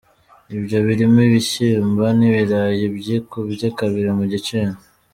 Ibyo birimo ibishyimbo n’ibirayi byikubye kabiri mu giciro.